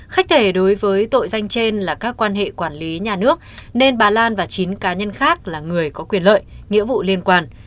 khách thể đối với tội danh trên là các quan hệ quản lý nhà nước nên bà lan và chín cá nhân khác là người có quyền lợi nghĩa vụ liên quan